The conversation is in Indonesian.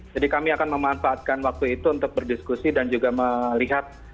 jadi kami akan memanfaatkan waktu itu untuk berdiskusi dan juga melihat